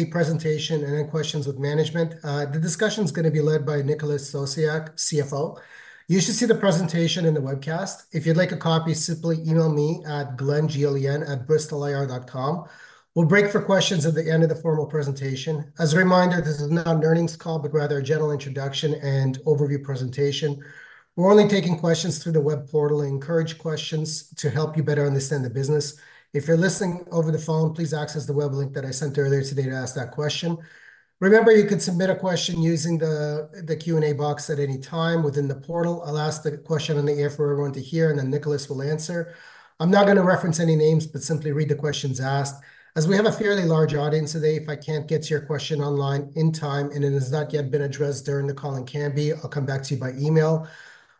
A presentation and then questions with management. The discussion's gonna be led by Nicholas Sosiak, CFO. You should see the presentation in the webcast. If you'd like a copy, simply email me at Glenn, G-L-E-N, @bristolir.com. We'll break for questions at the end of the formal presentation. As a reminder, this is not an earnings call, but rather a general introduction and overview presentation. We're only taking questions through the web portal and encourage questions to help you better understand the business. If you're listening over the phone, please access the web link that I sent earlier today to ask that question. Remember, you can submit a question using the Q&A box at any time within the portal. I'll ask the question on the air for everyone to hear, and then Nicholas will answer. I'm not gonna reference any names, but simply read the questions asked. As we have a fairly large audience today, if I can't get to your question online in time, and it has not yet been addressed during the call and can be, I'll come back to you by email.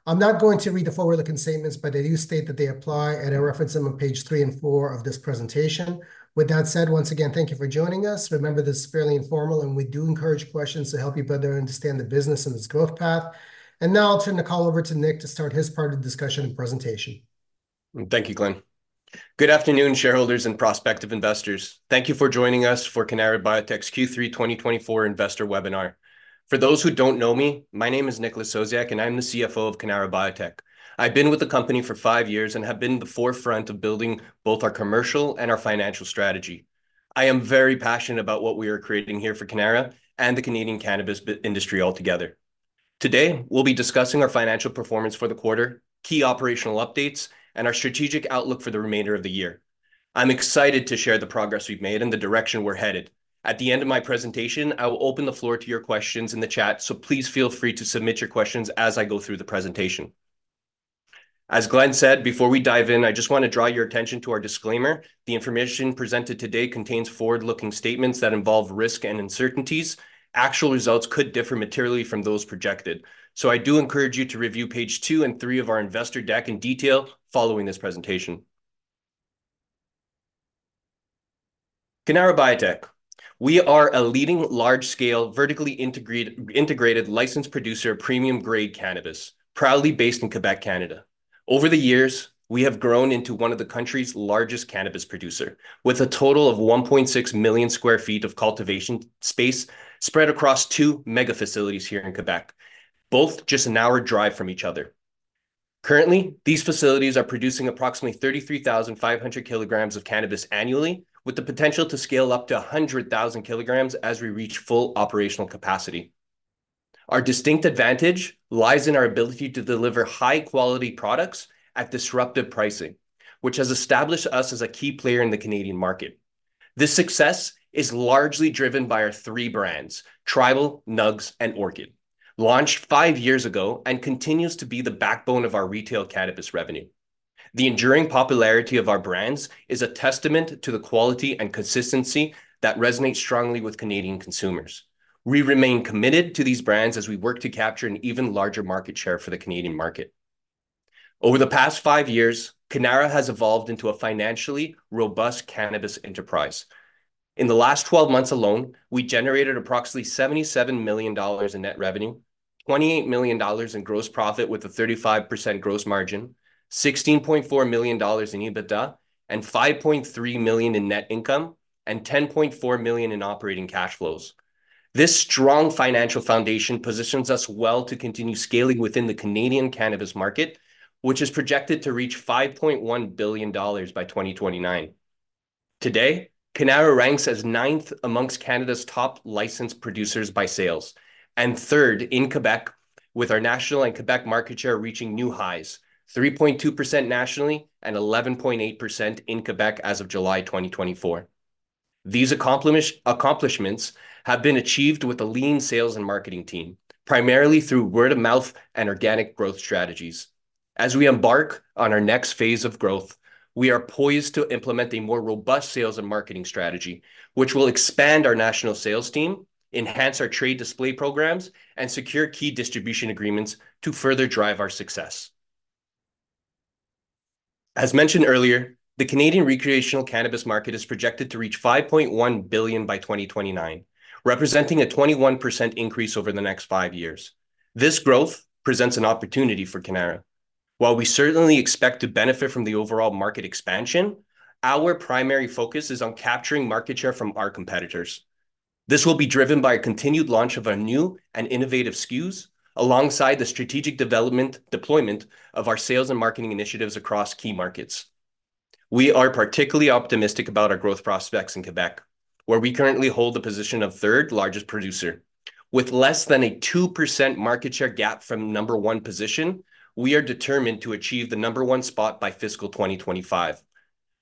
I'm not going to read the forward-looking statements, but they do state that they apply, and I reference them on page three and four of this presentation. With that said, once again, thank you for joining us. Remember, this is fairly informal, and we do encourage questions to help you better understand the business and its growth path. And now I'll turn the call over to Nick to start his part of the discussion and presentation. Thank you, Glenn. Good afternoon, shareholders and prospective investors. Thank you for joining us for Cannara Biotech's Q3 2024 investor webinar. For those who don't know me, my name is Nicholas Sosiak, and I'm the CFO of Cannara Biotech. I've been with the company for five years and have been at the forefront of building both our commercial and our financial strategy. I am very passionate about what we are creating here for Cannara and the Canadian cannabis industry altogether. Today, we'll be discussing our financial performance for the quarter, key operational updates, and our strategic outlook for the remainder of the year. I'm excited to share the progress we've made and the direction we're headed. At the end of my presentation, I will open the floor to your questions in the chat, so please feel free to submit your questions as I go through the presentation. As Glenn said, before we dive in, I just want to draw your attention to our disclaimer. The information presented today contains forward-looking statements that involve risk and uncertainties. Actual results could differ materially from those projected. So I do encourage you to review page two and three of our investor deck in detail following this presentation. Cannara Biotech. We are a leading large-scale, vertically integrated licensed producer of premium-grade cannabis, proudly based in Quebec, Canada. Over the years, we have grown into one of the country's largest cannabis producer, with a total of 1.6 million sq ft of cultivation space spread across two mega facilities here in Quebec, both just an hour drive from each other. Currently, these facilities are producing approximately 33,500 kilograms of cannabis annually, with the potential to scale up to 100,000 kilograms as we reach full operational capacity. Our distinct advantage lies in our ability to deliver high-quality products at disruptive pricing, which has established us as a key player in the Canadian market. This success is largely driven by our three brands: Tribal, Nugz, and Orchid. Launched five years ago and continues to be the backbone of our retail cannabis revenue. The enduring popularity of our brands is a testament to the quality and consistency that resonates strongly with Canadian consumers. We remain committed to these brands as we work to capture an even larger market share for the Canadian market. Over the past five years, Cannara has evolved into a financially robust cannabis enterprise. In the last 12 months alone, we generated approximately 77 million dollars in net revenue, 28 million dollars in gross profit, with a 35% gross margin, 16.4 million dollars in EBITDA, and 5.3 million in net income, and 10.4 million in operating cash flows. This strong financial foundation positions us well to continue scaling within the Canadian cannabis market, which is projected to reach 5.1 billion dollars by 2029. Today, Cannara ranks as ninth amongst Canada's top licensed producers by sales, and third in Quebec, with our national and Quebec market share reaching new highs, 3.2% nationally and 11.8% in Quebec as of July 2024. These accomplishments have been achieved with a lean sales and marketing team, primarily through word-of-mouth and organic growth strategies. As we embark on our next phase of growth, we are poised to implement a more robust sales and marketing strategy, which will expand our national sales team, enhance our trade display programs, and secure key distribution agreements to further drive our success. As mentioned earlier, the Canadian recreational cannabis market is projected to reach 5.1 billion by 2029, representing a 21% increase over the next five years. This growth presents an opportunity for Cannara. While we certainly expect to benefit from the overall market expansion, our primary focus is on capturing market share from our competitors. This will be driven by a continued launch of our new and innovative SKUs, alongside the strategic development... deployment of our sales and marketing initiatives across key markets. We are particularly optimistic about our growth prospects in Quebec, where we currently hold the position of third largest producer. With less than a 2% market share gap from number one position, we are determined to achieve the number one spot by fiscal 2025.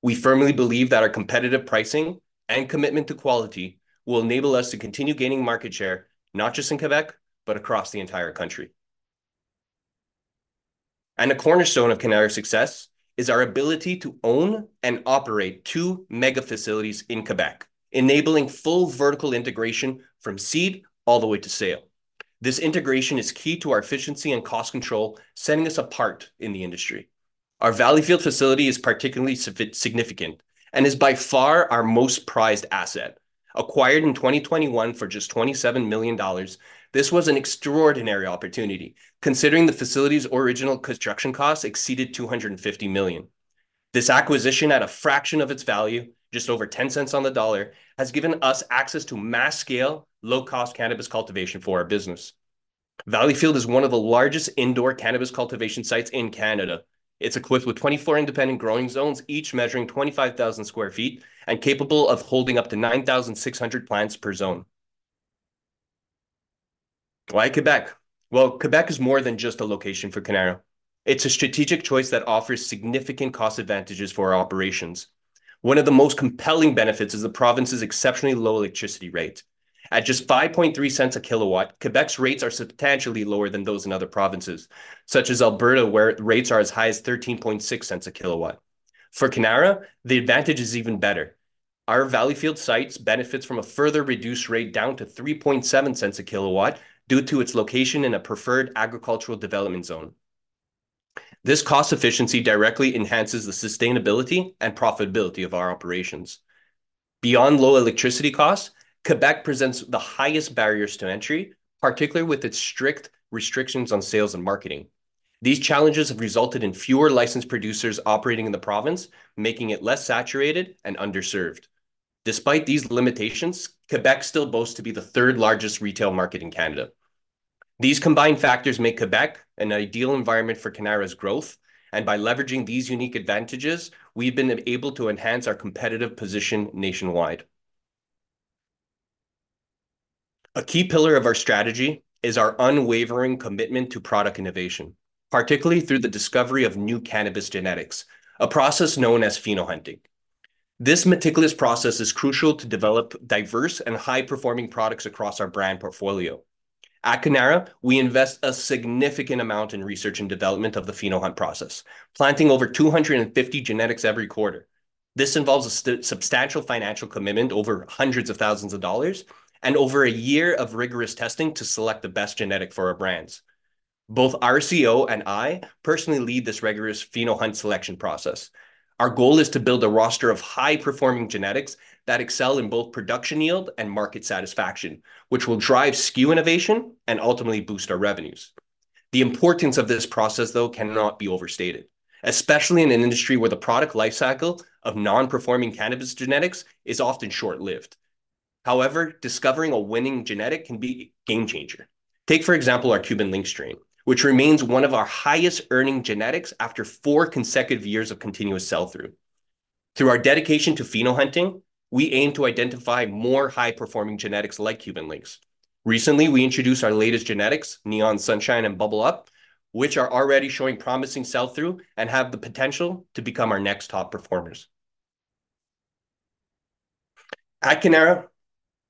We firmly believe that our competitive pricing and commitment to quality will enable us to continue gaining market share, not just in Quebec, but across the entire country. And a cornerstone of Cannara's success is our ability to own and operate two mega facilities in Quebec, enabling full vertical integration from seed all the way to sale. This integration is key to our efficiency and cost control, setting us apart in the industry. Our Valleyfield facility is particularly significant and is by far our most prized asset. Acquired in 2021 for just 27 million dollars, this was an extraordinary opportunity, considering the facility's original construction costs exceeded 250 million.... This acquisition at a fraction of its value, just over ten cents on the dollar, has given us access to mass-scale, low-cost cannabis cultivation for our business. Valleyfield is one of the largest indoor cannabis cultivation sites in Canada. It's equipped with 24 independent growing zones, each measuring 25,000 sq ft, and capable of holding up to 9,600 plants per zone. Why Quebec? Well, Quebec is more than just a location for Cannara. It's a strategic choice that offers significant cost advantages for our operations. One of the most compelling benefits is the province's exceptionally low electricity rates. At just 0.053 a kilowatt, Quebec's rates are substantially lower than those in other provinces, such as Alberta, where rates are as high as 0.136 a kilowatt. For Cannara, the advantage is even better. Our Valleyfield site benefits from a further reduced rate down to three point seven cents a kilowatt, due to its location in a preferred agricultural development zone. This cost efficiency directly enhances the sustainability and profitability of our operations. Beyond low electricity costs, Quebec presents the highest barriers to entry, particularly with its strict restrictions on sales and marketing. These challenges have resulted in fewer licensed producers operating in the province, making it less saturated and underserved. Despite these limitations, Quebec still boasts to be the third-largest retail market in Canada. These combined factors make Quebec an ideal environment for Cannara's growth, and by leveraging these unique advantages, we've been able to enhance our competitive position nationwide. A key pillar of our strategy is our unwavering commitment to product innovation, particularly through the discovery of new cannabis genetics, a process known as pheno hunting. This meticulous process is crucial to develop diverse and high-performing products across our brand portfolio. At Cannara, we invest a significant amount in research and development of the pheno hunt process, planting over 250 genetics every quarter. This involves a substantial financial commitment, over hundreds of thousands of dollars, and over a year of rigorous testing to select the best genetic for our brands. Both our CEO and I personally lead this rigorous pheno hunt selection process. Our goal is to build a roster of high-performing genetics that excel in both production yield and market satisfaction, which will drive SKU innovation and ultimately boost our revenues. The importance of this process, though, cannot be overstated, especially in an industry where the product life cycle of non-performing cannabis genetics is often short-lived. However, discovering a winning genetic can be a game changer. Take, for example, our Cuban Linx strain, which remains one of our highest-earning genetics after four consecutive years of continuous sell-through. Through our dedication to pheno hunting, we aim to identify more high-performing genetics like Cuban Linx. Recently, we introduced our latest genetics, Neon Sunshine and Bubble Up, which are already showing promising sell-through and have the potential to become our next top performers. At Cannara,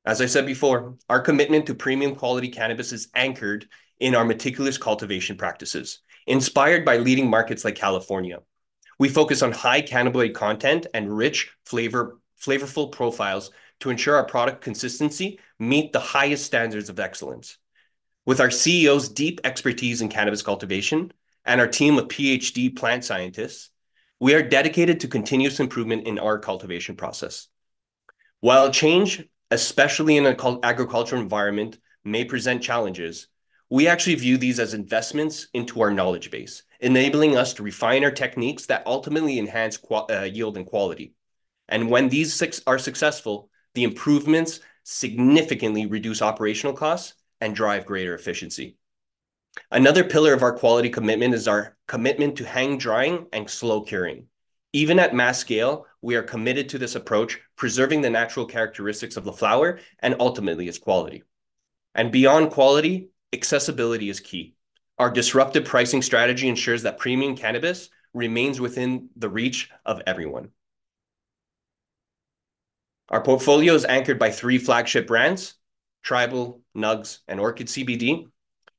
as I said before, our commitment to premium-quality cannabis is anchored in our meticulous cultivation practices, inspired by leading markets like California. We focus on high cannabinoid content and rich flavor, flavorful profiles to ensure our product consistency meet the highest standards of excellence. With our CEO's deep expertise in cannabis cultivation and our team of PhD plant scientists, we are dedicated to continuous improvement in our cultivation process. While change, especially in an agricultural environment, may present challenges, we actually view these as investments into our knowledge base, enabling us to refine our techniques that ultimately enhance quality, yield and quality. And when these six are successful, the improvements significantly reduce operational costs and drive greater efficiency. Another pillar of our quality commitment is our commitment to hang drying and slow curing. Even at mass scale, we are committed to this approach, preserving the natural characteristics of the flower, and ultimately, its quality. And beyond quality, accessibility is key. Our disruptive pricing strategy ensures that premium cannabis remains within the reach of everyone. Our portfolio is anchored by three flagship brands: Tribal, Nugz, and Orchid CBD,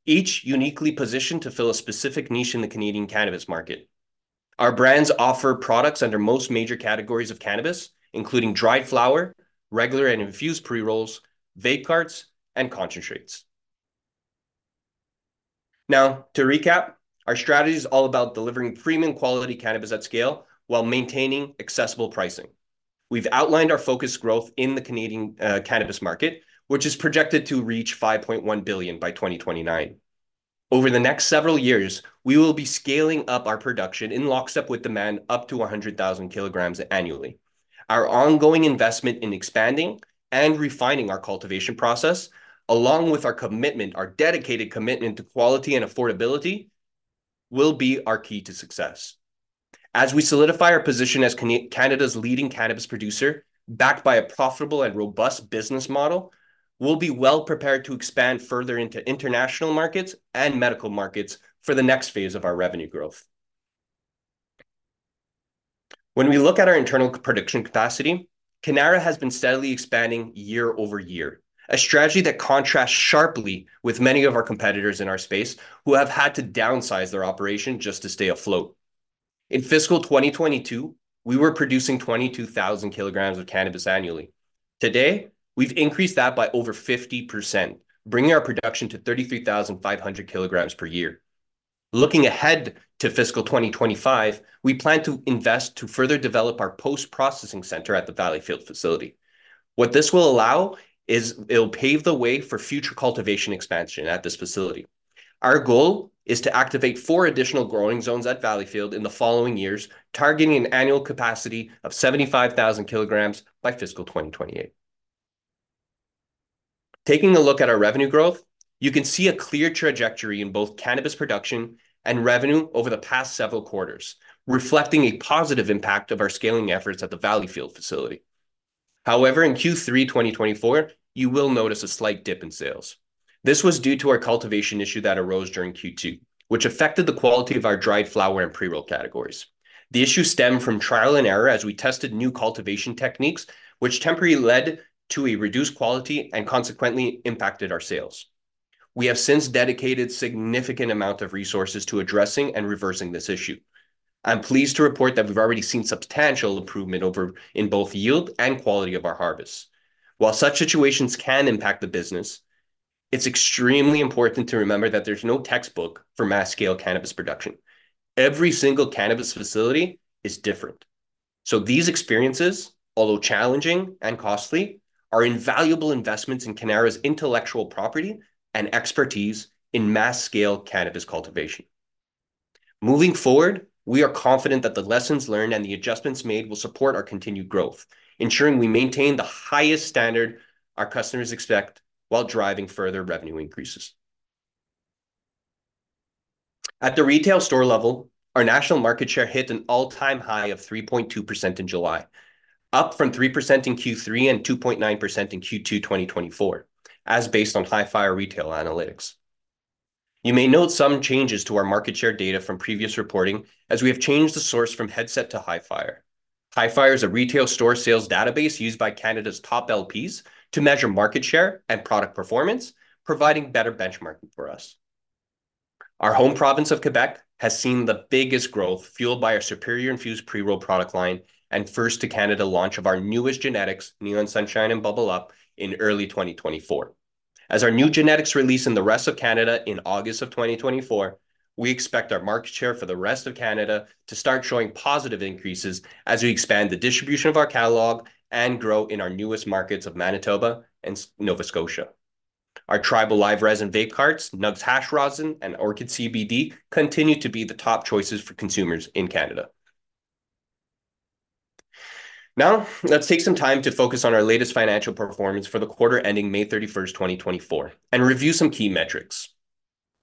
each uniquely positioned to fill a specific niche in the Canadian cannabis market. Our brands offer products under most major categories of cannabis, including dried flower, regular and infused pre-rolls, vape carts, and concentrates. Now, to recap, our strategy is all about delivering premium-quality cannabis at scale while maintaining accessible pricing. We've outlined our focused growth in the Canadian cannabis market, which is projected to reach 5.1 billion by 2029. Over the next several years, we will be scaling up our production in lockstep with demand, up to 100,000 kilograms annually. Our ongoing investment in expanding and refining our cultivation process, along with our commitment, our dedicated commitment to quality and affordability, will be our key to success. As we solidify our position as Canada's leading cannabis producer, backed by a profitable and robust business model, we'll be well-prepared to expand further into international markets and medical markets for the next phase of our revenue growth. When we look at our internal production capacity, Cannara has been steadily expanding year over year, a strategy that contrasts sharply with many of our competitors in our space, who have had to downsize their operation just to stay afloat. In fiscal 2022, we were producing 22,000 kilograms of cannabis annually. Today, we've increased that by over 50%, bringing our production to 33,500 kilograms per year. Looking ahead to fiscal 2025, we plan to invest to further develop our post-processing center at the Valleyfield facility. What this will allow is it'll pave the way for future cultivation expansion at this facility. Our goal is to activate four additional growing zones at Valleyfield in the following years, targeting an annual capacity of 75,000 kilograms by fiscal 2028. Taking a look at our revenue growth, you can see a clear trajectory in both cannabis production and revenue over the past several quarters, reflecting a positive impact of our scaling efforts at the Valleyfield facility. However, in Q3 twenty twenty-four, you will notice a slight dip in sales. This was due to our cultivation issue that arose during Q2, which affected the quality of our dried flower and pre-roll categories. The issue stemmed from trial and error as we tested new cultivation techniques, which temporarily led to a reduced quality and consequently impacted our sales. We have since dedicated significant amount of resources to addressing and reversing this issue. I'm pleased to report that we've already seen substantial improvement in both yield and quality of our harvests. While such situations can impact the business, it's extremely important to remember that there's no textbook for mass-scale cannabis production. Every single cannabis facility is different. So these experiences, although challenging and costly, are invaluable investments in Cannara's intellectual property and expertise in mass-scale cannabis cultivation. Moving forward, we are confident that the lessons learned and the adjustments made will support our continued growth, ensuring we maintain the highest standard our customers expect, while driving further revenue increases. At the retail store level, our national market share hit an all-time high of 3.2% in July, up from 3% in Q3 and 2.9% in Q2 2024, as based on Hifyre Retail Analytics. You may note some changes to our market share data from previous reporting, as we have changed the source from Headset to Hifyre. Hifyre is a retail store sales database used by Canada's top LPs to measure market share and product performance, providing better benchmarking for us. Our home province of Quebec has seen the biggest growth, fueled by our superior infused pre-roll product line, and first to Canada launch of our newest genetics, Neon Sunshine and Bubble Up, in early twenty twenty-four. As our new genetics release in the rest of Canada in August of twenty twenty-four, we expect our market share for the rest of Canada to start showing positive increases as we expand the distribution of our catalog and grow in our newest markets of Manitoba and Nova Scotia. Our Tribal live resin vape carts, Nugz Hash Rosin, and Orchid CBD continue to be the top choices for consumers in Canada. Now, let's take some time to focus on our latest financial performance for the quarter ending May thirty-first, twenty twenty-four, and review some key metrics.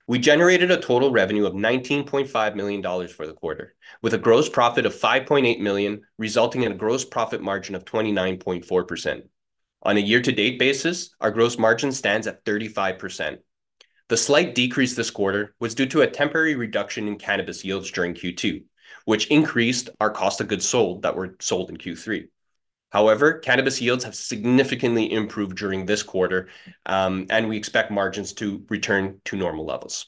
We generated a total revenue of 19.5 million dollars for the quarter, with a gross profit of 5.8 million, resulting in a gross profit margin of 29.4%. On a year-to-date basis, our gross margin stands at 35%. The slight decrease this quarter was due to a temporary reduction in cannabis yields during Q2, which increased our cost of goods sold that were sold in Q3. However, cannabis yields have significantly improved during this quarter, and we expect margins to return to normal levels.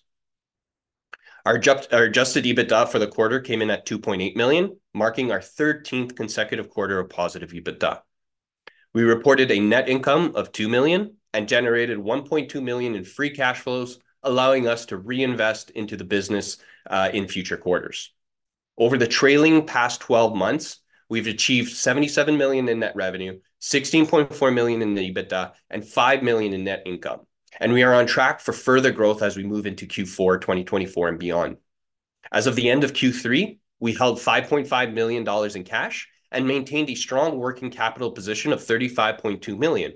Our adjusted EBITDA for the quarter came in at 2.8 million, marking our thirteenth consecutive quarter of positive EBITDA. We reported a net income of 2 million and generated 1.2 million in free cash flows, allowing us to reinvest into the business in future quarters. Over the trailing past 12 months, we've achieved 77 million in net revenue, 16.4 million in EBITDA, and 5 million in net income, and we are on track for further growth as we move into Q4 2024 and beyond. As of the end of Q3, we held 5.5 million dollars in cash and maintained a strong working capital position of 35.2 million.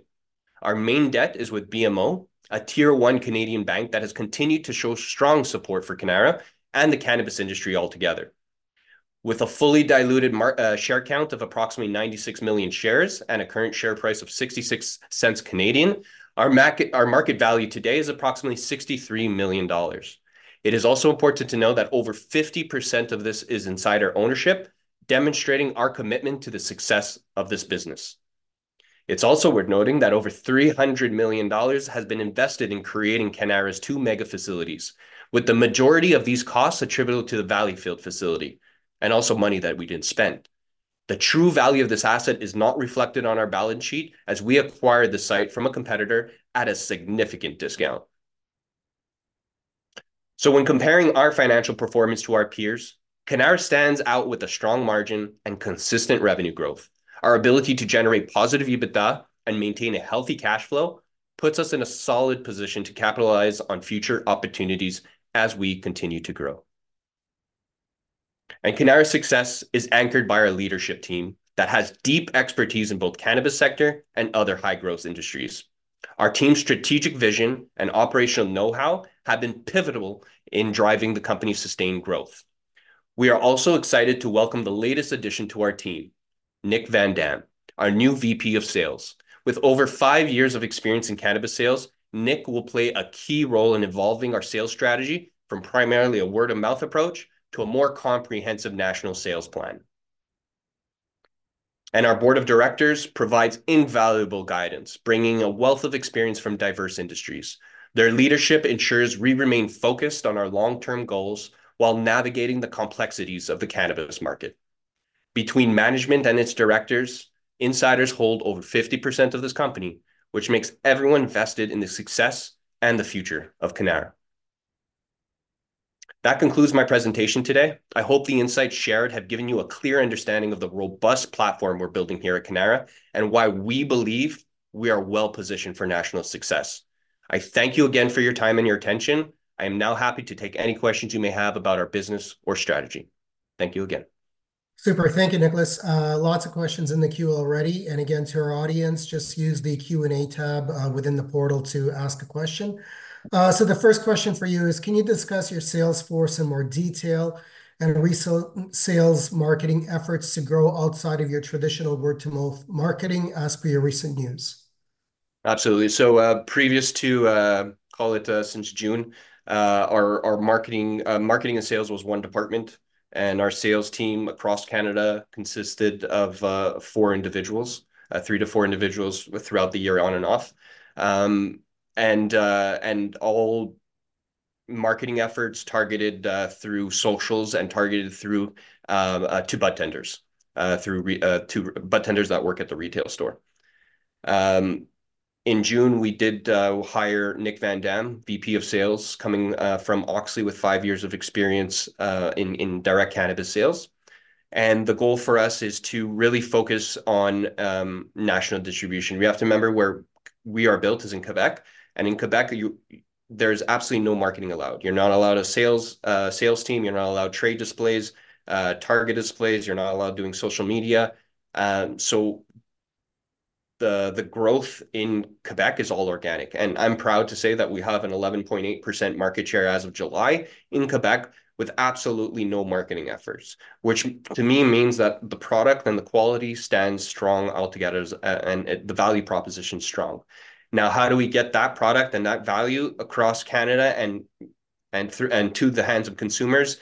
Our main debt is with BMO, a Tier One Canadian bank that has continued to show strong support for Cannara and the cannabis industry altogether. With a fully diluted share count of approximately 96 million shares and a current share price of 0.66, our market value today is approximately 63 million dollars. It is also important to know that over 50% of this is insider ownership, demonstrating our commitment to the success of this business. It's also worth noting that over 300 million dollars has been invested in creating Cannara's two mega facilities, with the majority of these costs attributable to the Valleyfield facility, and also money that we didn't spend. The true value of this asset is not reflected on our balance sheet, as we acquired the site from a competitor at a significant discount. So when comparing our financial performance to our peers, Cannara stands out with a strong margin and consistent revenue growth. Our ability to generate positive EBITDA and maintain a healthy cash flow, puts us in a solid position to capitalize on future opportunities as we continue to grow. Cannara's success is anchored by our leadership team, that has deep expertise in both cannabis sector and other high-growth industries. Our team's strategic vision and operational know-how have been pivotal in driving the company's sustained growth. We are also excited to welcome the latest addition to our team, Nick Van Dam, our new VP of Sales. With over five years of experience in cannabis sales, Nick will play a key role in evolving our sales strategy from primarily a word-of-mouth approach to a more comprehensive national sales plan. Our board of directors provides invaluable guidance, bringing a wealth of experience from diverse industries. Their leadership ensures we remain focused on our long-term goals, while navigating the complexities of the cannabis market. Between management and its directors, insiders hold over 50% of this company, which makes everyone vested in the success and the future of Cannara. That concludes my presentation today. I hope the insights shared have given you a clear understanding of the robust platform we're building here at Cannara, and why we believe we are well-positioned for national success. I thank you again for your time and your attention. I am now happy to take any questions you may have about our business or strategy. Thank you again. Super thank you, Nicholas. Lots of questions in the queue already, and again, to our audience, just use the Q&A tab within the portal to ask a question. So the first question for you is, can you discuss your sales force in more detail and sales marketing efforts to grow outside of your traditional word-of-mouth marketing as per your recent news? Absolutely. So, previous to, call it, since June, our marketing and sales was one department, and our sales team across Canada consisted of four individuals, three to four individuals throughout the year, on and off. And all marketing efforts targeted through socials and targeted through to budtenders that work at the retail store. In June, we did hire Nick Van Dam, VP of Sales, coming from Auxly with five years of experience in direct cannabis sales. And the goal for us is to really focus on national distribution. We have to remember where we are built is in Quebec, and in Quebec, there's absolutely no marketing allowed. You're not allowed a sales team. You're not allowed trade displays, target displays. You're not allowed doing social media. So the growth in Quebec is all organic, and I'm proud to say that we have an 11.8% market share as of July in Quebec, with absolutely no marketing efforts, which to me means that the product and the quality stands strong altogether, and the value proposition is strong. Now, how do we get that product and that value across Canada and through and to the hands of consumers,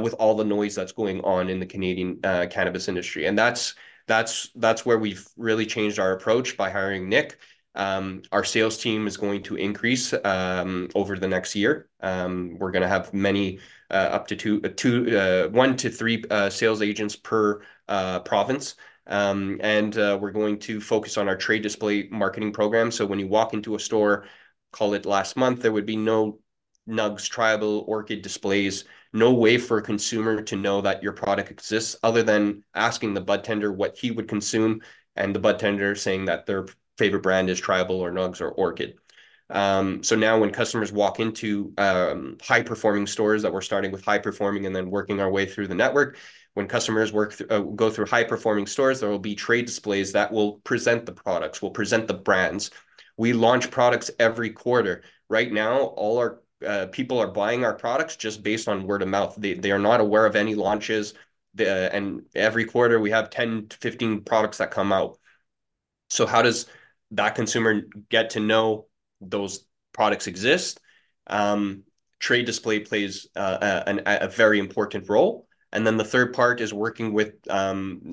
with all the noise that's going on in the Canadian cannabis industry? And that's where we've really changed our approach by hiring Nick. Our sales team is going to increase over the next year. We're gonna have many, up to two, two, one to three, sales agents per province, and we're going to focus on our trade display marketing program. When you walk into a store, call it last month, there would be no Nugz, Tribal, Orchid displays, no way for a consumer to know that your product exists other than asking the budtender what he would consume, and the budtender saying that their favorite brand is Tribal or Nugz or Orchid. Now when customers walk into high-performing stores, that we're starting with high-performing and then working our way through the network, when customers go through high-performing stores, there will be trade displays that will present the products, will present the brands. We launch products every quarter. Right now, all our people are buying our products just based on word of mouth. They are not aware of any launches, and every quarter, we have ten to fifteen products that come out. So how does that consumer get to know those products exist? Trade display plays a very important role, and then the third part is working with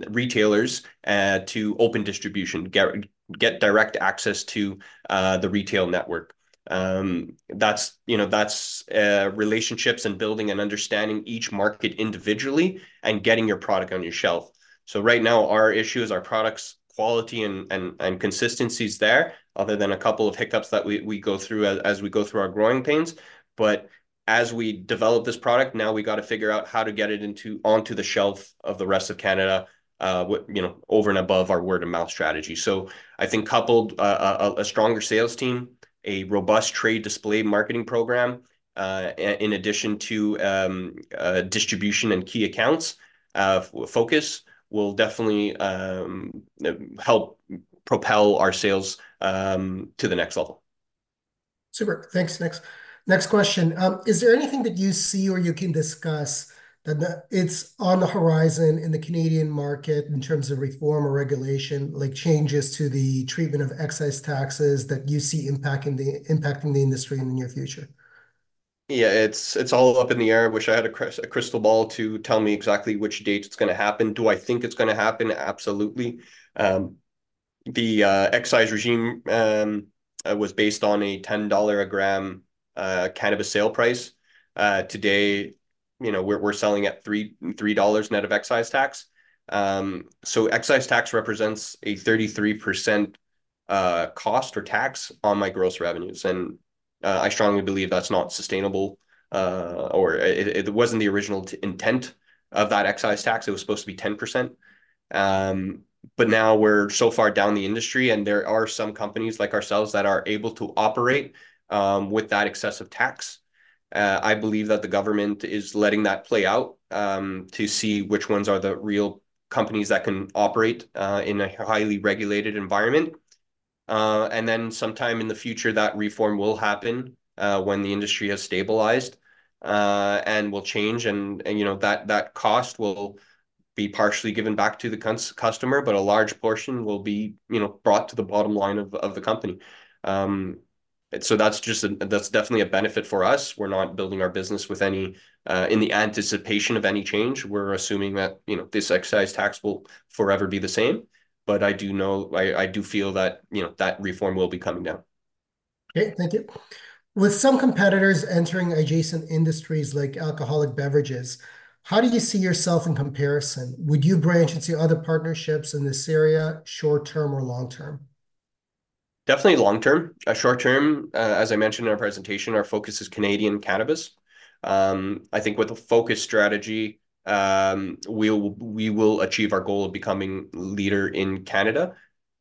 retailers to open distribution, get direct access to the retail network. That's, you know, that's relationships and building and understanding each market individually and getting your product on your shelf. So right now, our issue is our products' quality and consistency is there, other than a couple of hiccups that we go through as we go through our growing pains. But as we develop this product, now we got to figure out how to get it into onto the shelf of the rest of Canada, with, you know, over and above our word-of-mouth strategy. So I think coupled a stronger sales team, a robust trade display marketing program in addition to distribution and key accounts focus will definitely help propel our sales to the next level. Super thanks, Nick. Next question. Is there anything that you see or you can discuss that it's on the horizon in the Canadian market in terms of reform or regulation, like changes to the treatment of excise taxes, that you see impacting the industry in the near future? Yeah, it's all up in the air. I wish I had a crystal ball to tell me exactly which date it's gonna happen. Do I think it's gonna happen? Absolutely. The excise regime was based on a 10 dollar a gram cannabis sale price. Today, you know, we're selling at 3 dollars net of excise tax. So excise tax represents a 33% cost or tax on my gross revenues, and I strongly believe that's not sustainable. Or it wasn't the original intent of that excise tax. It was supposed to be 10%. But now we're so far down the industry, and there are some companies like ourselves that are able to operate with that excessive tax. I believe that the government is letting that play out to see which ones are the real companies that can operate in a highly regulated environment, and then sometime in the future, that reform will happen when the industry has stabilized, and will change, and you know that cost will be partially given back to the consumer, but a large portion will be you know brought to the bottom line of the company, that's definitely a benefit for us. We're not building our business with any anticipation of any change. We're assuming that you know this excise tax will forever be the same, but I do know. I do feel that you know that reform will be coming down. Okay, thank you. With some competitors entering adjacent industries like alcoholic beverages, how do you see yourself in comparison? Would you branch into other partnerships in this area, short term or long term? Definitely long term. Short term, as I mentioned in our presentation, our focus is Canadian cannabis. I think with a focused strategy, we will achieve our goal of becoming leader in Canada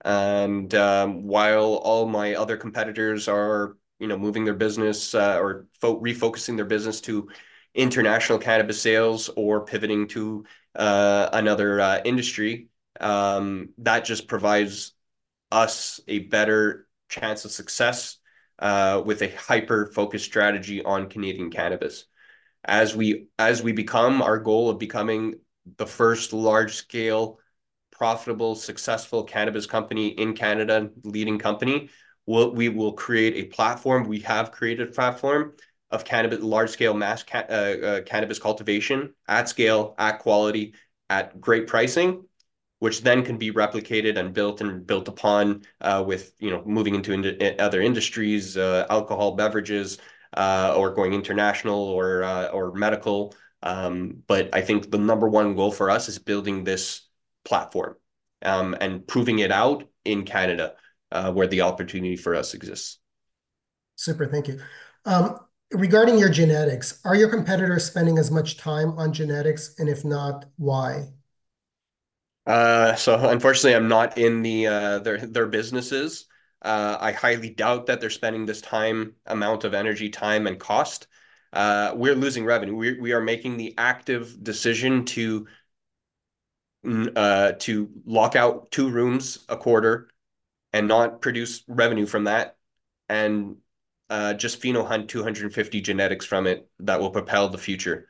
and, while all my other competitors are, you know, moving their business, or refocusing their business to international cannabis sales or pivoting to another industry, that just provides us a better chance of success with a hyper-focused strategy on Canadian cannabis. Our goal of becoming the first large-scale, profitable, successful cannabis company in Canada, leading company, we will create a platform. We have created a platform of cannabis, large scale mass cannabis cultivation at scale, at quality, at great pricing, which then can be replicated and built and built upon, with, you know, moving into other industries, alcohol, beverages, or going international or medical, but I think the number one goal for us is building this platform, and proving it out in Canada, where the opportunity for us exists. Super thank you. Regarding your genetics, are your competitors spending as much time on genetics, and if not, why? So unfortunately, I'm not in their businesses. I highly doubt that they're spending this time, amount of energy, time, and cost. We're losing revenue. We are making the active decision to lock out two rooms a quarter and not produce revenue from that, and just pheno hunting 250 genetics from it that will propel the future.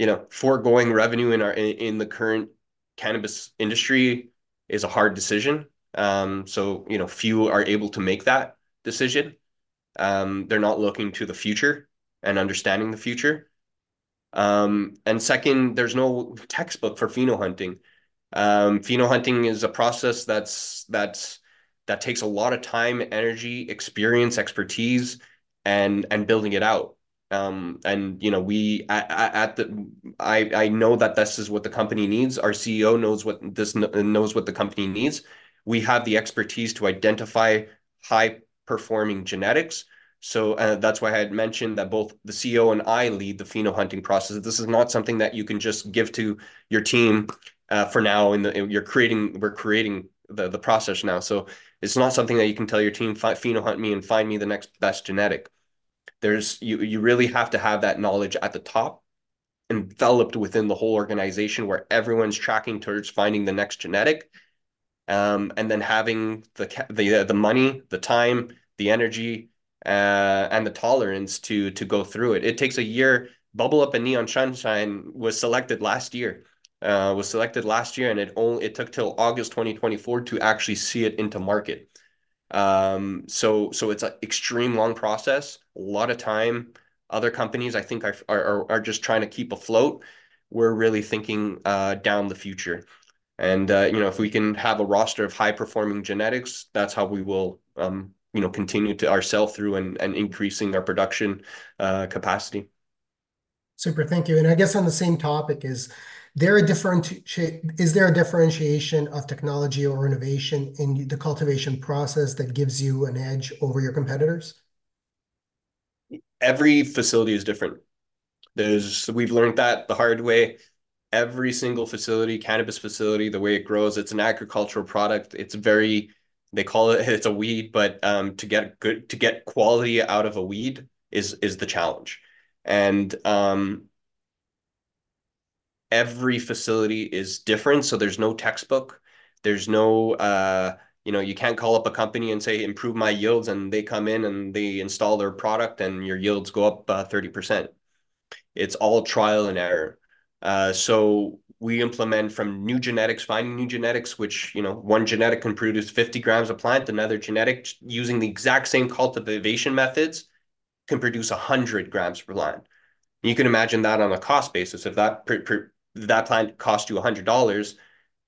You know, foregoing revenue in our in the current cannabis industry is a hard decision. So you know, few are able to make that decision. They're not looking to the future and understanding the future. And second, there's no textbook for pheno hunting. Pheno hunting is a process that takes a lot of time, energy, experience, expertise, and building it out. You know, we at the... I know that this is what the company needs. Our CEO knows what the company needs. We have the expertise to identify high-performing genetics, so that's why I had mentioned that both the CEO and I lead the pheno hunting process. This is not something that you can just give to your team for now, and we're creating the process now. So it's not something that you can tell your team, "pheno, hunt me and find me the next best genetic." There's. You really have to have that knowledge at the top, enveloped within the whole organization, where everyone's tracking towards finding the next genetic, and then having the money, the time, the energy, and the tolerance to go through it. It takes a year. Bubble Up and Neon Sunshine was selected last year, and it took till August 2024 to actually see it into market. So it's an extreme long process, a lot of time. Other companies, I think, are just trying to keep afloat. We're really thinking down the future, and you know, if we can have a roster of high-performing genetics, that's how we will continue to our sell-through and increasing our production capacity. Super thank you. And I guess on the same topic, is there a differentiation of technology or innovation in the cultivation process that gives you an edge over your competitors? Every facility is different. We've learned that the hard way. Every single facility, cannabis facility, the way it grows, it's an agricultural product. It's very... They call it, it's a weed, but to get quality out of a weed is the challenge. Every facility is different, so there's no textbook. There's no... You know, you can't call up a company and say, "Improve my yields," and they come in, and they install their product, and your yields go up 30%. It's all trial and error. So we implement from new genetics, finding new genetics, which, you know, one genetic can produce 50 grams a plant, another genetic, using the exact same cultivation methods, can produce 100 grams per plant. You can imagine that on a cost basis, if that plant cost you 100 dollars,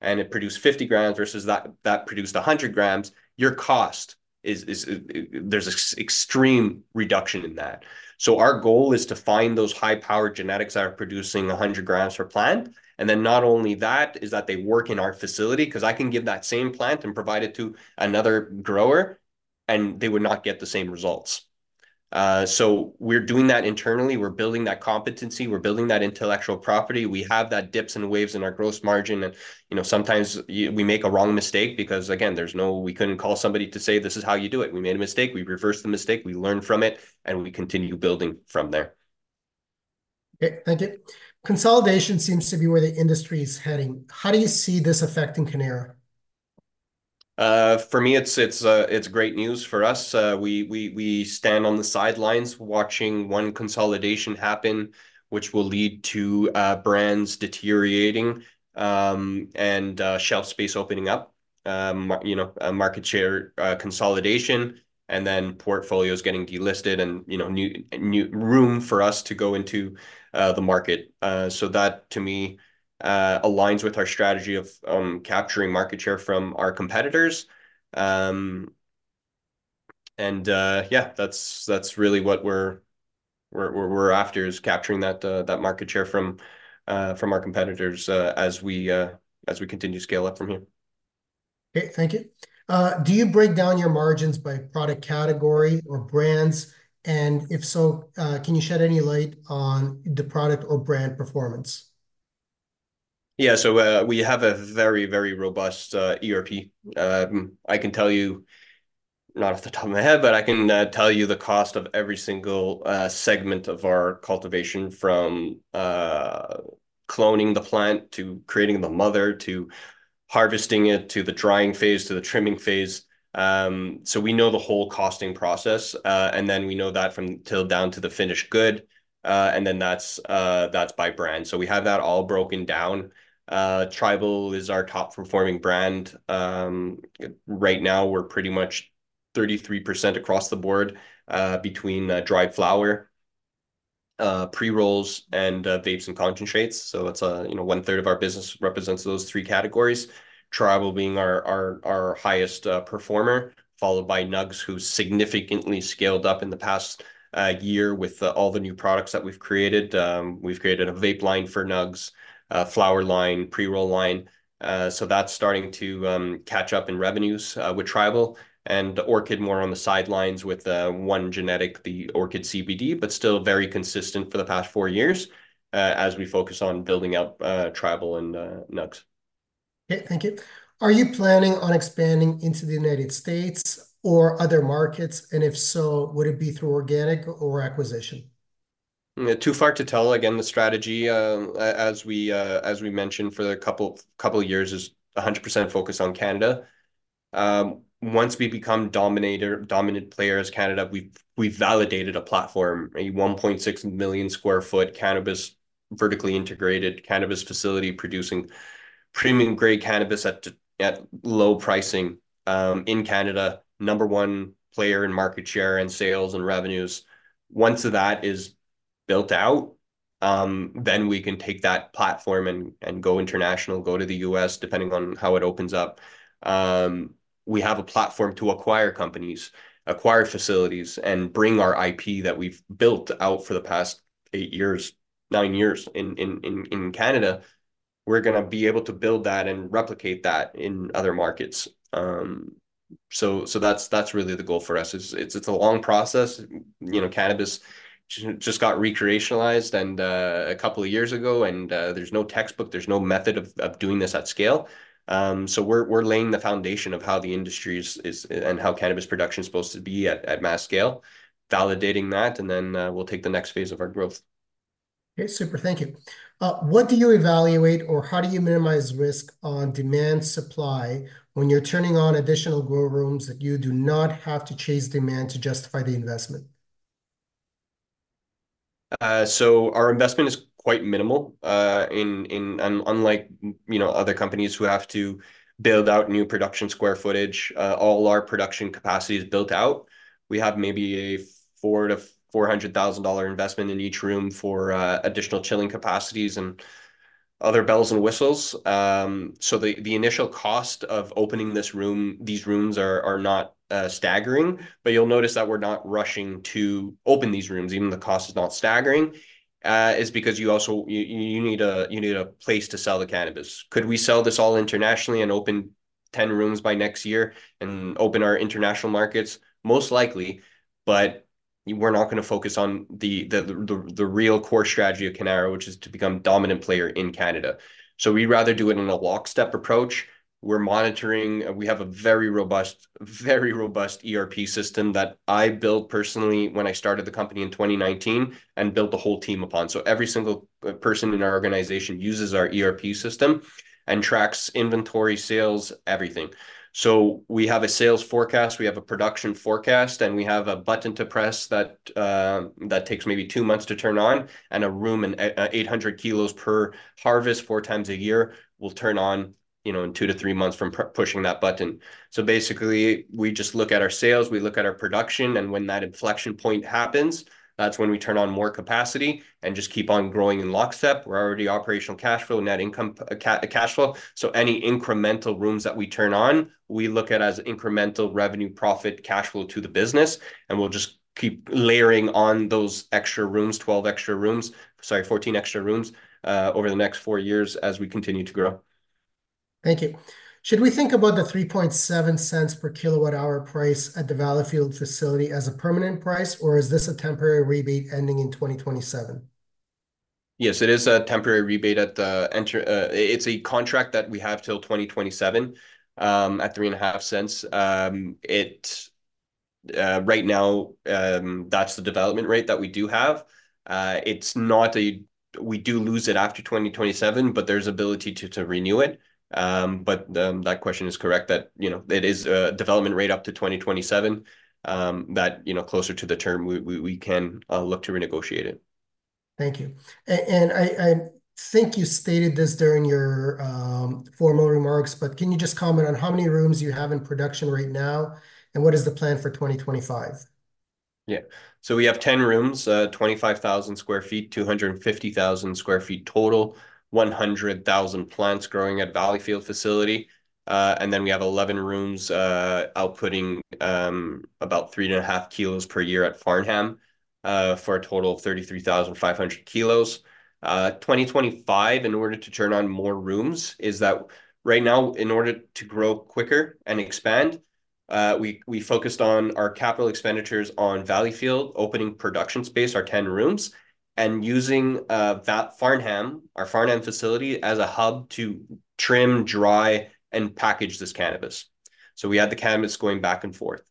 and it produced 50 grams versus that that produced 100 grams, your cost is there's extreme reduction in that, so our goal is to find those high-powered genetics that are producing 100 grams per plant, and then not only that is that they work in our facility. 'Cause I can give that same plant and provide it to another grower, and they would not get the same results, so we're doing that internally. We're building that competency. We're building that intellectual property. We have that dips and waves in our gross margin, and, you know, sometimes we make a wrong mistake because, again, there's no... We couldn't call somebody to say, "This is how you do it." We made a mistake, we reversed the mistake, we learned from it, and we continue building from there. Okay, thank you. Consolidation seems to be where the industry is heading. How do you see this affecting Cannara? For me, it's great news for us. We stand on the sidelines watching one consolidation happen, which will lead to brands deteriorating, and shelf space opening up, you know, market share consolidation, and then portfolios getting delisted and, you know, new room for us to go into the market. So that, to me, aligns with our strategy of capturing market share from our competitors. And yeah, that's really what we're after, is capturing that market share from our competitors, as we continue to scale up from here. Okay, thank you. Do you break down your margins by product category or brands? And if so, can you shed any light on the product or brand performance? Yeah, so, we have a very, very robust ERP. I can tell you, not off the top of my head, but I can tell you the cost of every single segment of our cultivation, from cloning the plant, to creating the mother, to harvesting it, to the drying phase, to the trimming phase. So we know the whole costing process, and then we know that from till down to the finished good, and then that's by brand. So we have that all broken down. Tribal is our top-performing brand. Right now, we're pretty much 33% across the board, between dried flower, pre-rolls, and vapes and concentrates. So that's, you know, one-third of our business represents those three categories. Tribal being our highest performer, followed by Nugz, who significantly scaled up in the past year with all the new products that we've created. We've created a vape line for Nugz, a flower line, pre-roll line. So that's starting to catch up in revenues with Tribal. And Orchid more on the sidelines with one genetic, the Orchid CBD, but still very consistent for the past four years as we focus on building out Tribal and Nugz. Yeah, thank you. Are you planning on expanding into the United States or other markets, and if so, would it be through organic or acquisition? Too far to tell. Again, the strategy, as we mentioned for the couple years, is 100% focused on Canada. Once we become dominant player in Canada, we've validated a platform, a 1.6 million sq ft cannabis, vertically integrated cannabis facility, producing premium grade cannabis at low pricing, in Canada. Number one player in market share, and sales, and revenues. Once that is built out, then we can take that platform and go international, go to the U.S., depending on how it opens up. We have a platform to acquire companies, acquire facilities, and bring our IP that we've built out for the past eight years, nine years in Canada, we're gonna be able to build that and replicate that in other markets. That's really the goal for us. It's a long process. You know, cannabis just got recreationalized a couple of years ago, and there's no textbook, there's no method of doing this at scale. We're laying the foundation of how the industry is and how cannabis production is supposed to be at mass scale, validating that, and then we'll take the next phase of our growth. Okay, super. Thank you. What do you evaluate, or how do you minimize risk on demand supply when you're turning on additional grow rooms, that you do not have to chase demand to justify the investment? So our investment is quite minimal. Unlike, you know, other companies who have to build out new production square footage, all our production capacity is built out. We have maybe a 40,000-400,000 dollar investment in each room for additional chilling capacities and other bells and whistles. So the initial cost of opening this room, these rooms are not staggering. But you'll notice that we're not rushing to open these rooms, even the cost is not staggering, is because you also you need a place to sell the cannabis. Could we sell this all internationally and open 10 rooms by next year, and open our international markets? Most likely, but we're not gonna focus on the real core strategy of Cannara, which is to become dominant player in Canada. So we'd rather do it in a lockstep approach. We're monitoring, we have a very robust, very robust ERP system that I built personally when I started the company in 2019, and built the whole team upon. So every single person in our organization uses our ERP system and tracks inventory, sales, everything. So we have a sales forecast, we have a production forecast, and we have a button to press that takes maybe two months to turn on, and a room, and 800 kilos per harvest, four times a year, will turn on, you know, in two to three months from pushing that button. So basically, we just look at our sales, we look at our production, and when that inflection point happens, that's when we turn on more capacity and just keep on growing in lockstep. We're already operational cashflow, net income, cashflow, so any incremental rooms that we turn on, we look at as incremental revenue, profit, cashflow to the business, and we'll just keep layering on those extra rooms, 12 extra rooms. Sorry, 14 extra rooms, over the next 4 years as we continue to grow. Thank you. Should we think about the 0.037 per kilowatt hour price at the Valleyfield facility as a permanent price, or is this a temporary rebate ending in 2027? Yes, it is a temporary rebate. It's a contract that we have till twenty twenty-seven at 3.5 cents. Right now, that's the development rate that we do have. It's not a... We do lose it after twenty twenty-seven, but there's ability to renew it. But that question is correct, that, you know, it is a development rate up to twenty twenty-seven, that, you know, closer to the term, we can look to renegotiate it. Thank you. And I, I think you stated this during your formal remarks, but can you just comment on how many rooms you have in production right now, and what is the plan for twenty twenty-five? Yeah. So we have 10 rooms, 25,000 sq ft, 250,000 sq ft total, 100,000 plants growing at Valleyfield facility. And then we have 11 rooms, outputting about 3.5 kilos per year at Farnham, for a total of 33,500 kilos. 2025, in order to turn on more rooms. Right now, in order to grow quicker and expand, we focused on our capital expenditures on Valleyfield, opening production space, our 10 rooms, and using that Farnham, our Farnham facility, as a hub to trim, dry, and package this cannabis. So we had the cannabis going back and forth.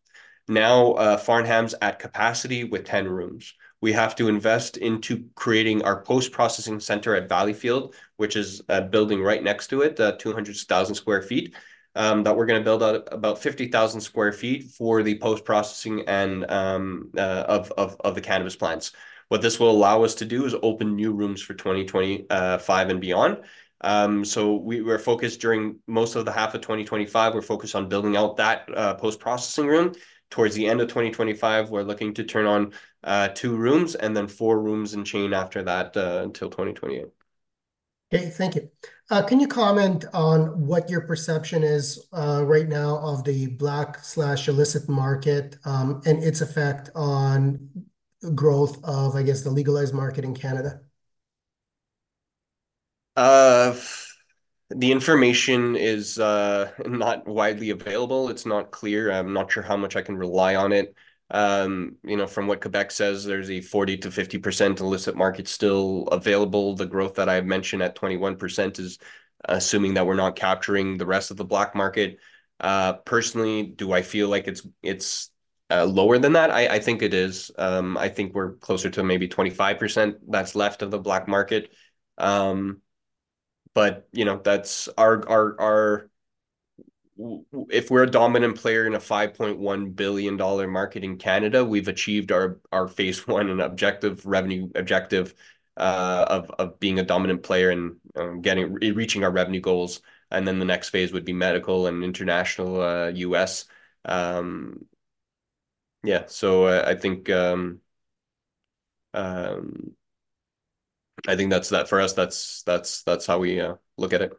Now, Farnham's at capacity with 10 rooms. We have to invest into creating our post-processing center at Valleyfield, which is a building right next to it, 200,000 sq ft, that we're gonna build out about 50,000 sq ft for the post-processing and of the cannabis plants. What this will allow us to do is open new rooms for 2024, five, and beyond. So we're focused during most of the half of 2025 on building out that post-processing room. Towards the end of 2025, we're looking to turn on two rooms, and then four rooms in 2026 after that, until 2028. Okay, thank you. Can you comment on what your perception is right now of the black/illicit market and its effect on growth of, I guess, the legalized market in Canada? The information is not widely available. It's not clear. I'm not sure how much I can rely on it. You know, from what Quebec says, there's a 40%-50% illicit market still available. The growth that I've mentioned at 21% is assuming that we're not capturing the rest of the black market. Personally, do I feel like it's lower than that? I think it is. I think we're closer to maybe 25% that's left of the black market, but you know, that's our... If we're a dominant player in a 5.1 billion dollar market in Canada, we've achieved our phase one and objective revenue objective of being a dominant player and reaching our revenue goals, and then the next phase would be medical and international, U.S. Yeah, so I think that's that for us, that's how we look at it.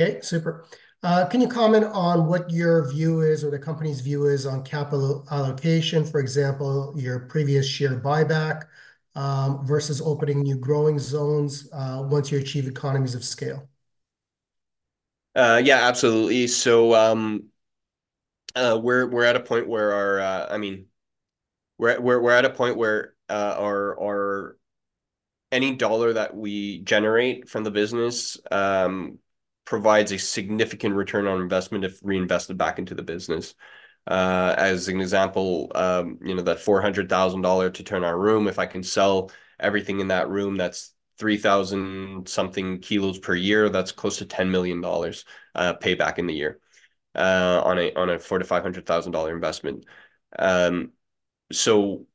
Okay, super. Can you comment on what your view is, or the company's view is, on capital allocation? For example, your previous share buyback, versus opening new growing zones, once you achieve economies of scale. Yeah, absolutely. So, we're at a point where our, I mean, we're at a point where our... Any dollar that we generate from the business provides a significant return on investment if reinvested back into the business. As an example, you know, that 400,000 dollars to turn our room, if I can sell everything in that room, that's three thousand something kilos per year, that's close to 10 million dollars payback in the year on a 400,000-500,000 dollar investment. So,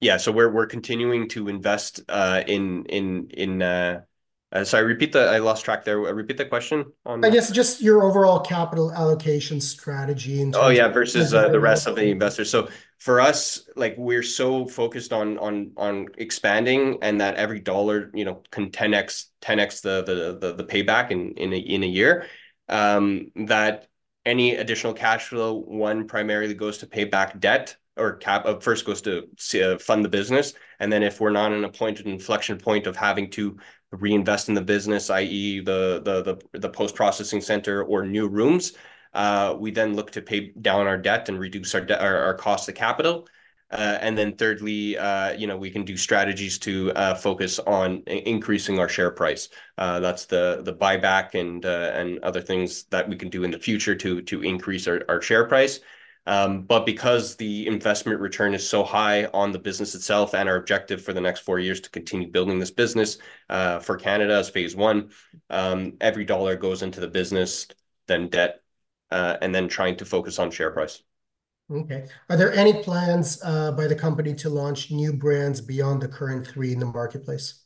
yeah, so we're continuing to invest in... Sorry, repeat the- I lost track there. Repeat the question on- I guess just your overall capital allocation strategy in terms of- Oh, yeah, versus. Yeah The rest of the investors. So for us, like, we're so focused on expanding, and that every dollar, you know, can ten x the payback in a year, that any additional cash flow first goes to fund the business, and then if we're not in an inflection point of having to reinvest in the business, i.e., the post-processing center or new rooms, we then look to pay down our debt and reduce our cost to capital. And then thirdly, you know, we can do strategies to focus on increasing our share price. That's the buyback and other things that we can do in the future to increase our share price, but because the investment return is so high on the business itself and our objective for the next four years to continue building this business for Canada as phase one, every dollar goes into the business, then debt, and then trying to focus on share price. Okay. Are there any plans by the company to launch new brands beyond the current three in the marketplace?